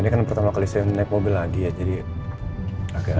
ini kan pertama kali saya naik mobil lagi ya jadi agak